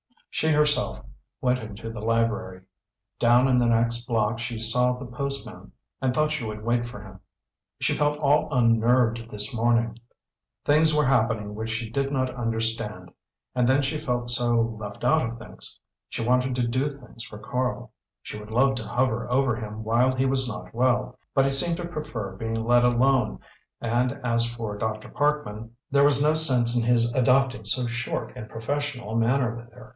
She herself went into the library. Down in the next block she saw the postman, and thought she would wait for him. She felt all unnerved this morning. Things were happening which she did not understand, and then she felt so "left out of things." She wanted to do things for Karl; she would love to hover over him while he was not well, but he seemed to prefer being let alone; and as for Dr. Parkman, there was no sense in his adopting so short and professional a manner with her.